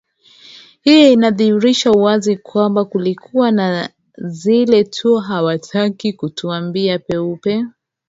hii inadhihirisha wazi kwamba kulikuwa ni vile tu hawataki kutuambia peupe